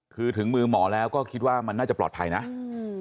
คือถึงมือหมอแล้วก็คิดว่ามันน่าจะปลอดภัยนะอืม